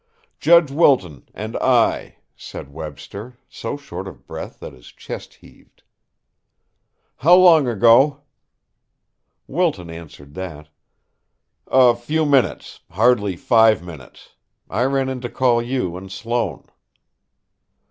"Judge Wilton and I," said Webster, so short of breath that his chest heaved. "How long ago?" Wilton answered that: "A few minutes, hardly five minutes. I ran in to call you and Sloane."